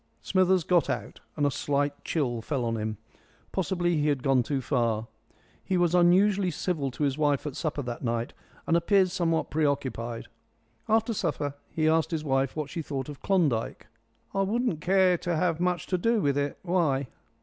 Smithers got out, and a slight chill fell on him. Possibly he had gone too far. He was unusually civil to his wife at supper that night, and appeared somewhat preoccupied. After supper he asked his wife what she thought of Klondike. "I wouldn't care to have much to do with it. Why?"